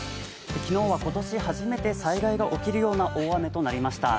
昨日は今年初めて災害が起きるような大雨となりました。